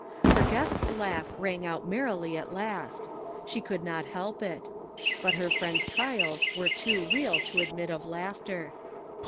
Her guest's laugh rang out merrily at last ; she could not help it. But her friend's trials were too real to admit of laughter.